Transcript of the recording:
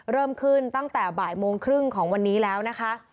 เริ่มขึ้นตั้งแต่บ่ายโมงครึ่งของวันนี้แล้วนะคะ